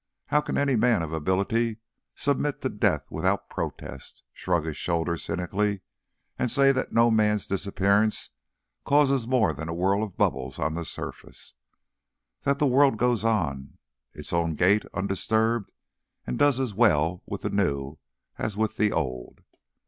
How can any man of ability submit to death without protest, shrug his shoulders cynically, and say that no man's disappearance causes more than a whirl of bubbles on the surface, that the world goes on its old gait undisturbed, and does as well with the new as the old?